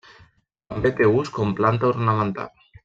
També té ús com planta ornamental.